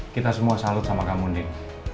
kita semua salut sama kamu nih